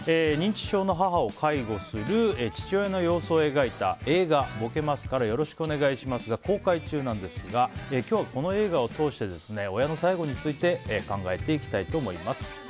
認知症の母を介護する父親の様子を描いた映画「ぼけますから、よろしくお願いします。」が公開中なんですが今日この映画を通して親の最期について考えていきたいと思います。